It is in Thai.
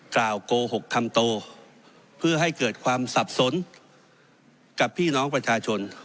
โกหกคำโตเพื่อให้เกิดความสับสนกับพี่น้องประชาชน